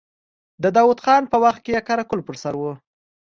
د داود خان په وخت کې يې قره قل پر سر و.